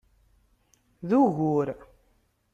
D ugur!